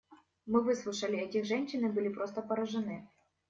Мы выслушали этих женщин и были просто поражены.